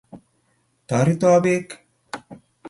Toreto pek